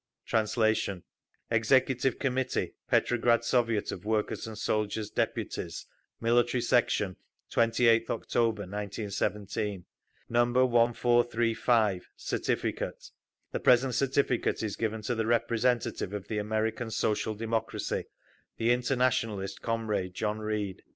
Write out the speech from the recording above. … (Translation) Executive Committee Petrograd Soviet of Workers' and Soldiers' Deputies Military Section 28th October, 1917 No. 1435 CERTIFICATE The present certificate is given to the representative of the American Social Democracy, the internationalist comrade JOHN REED.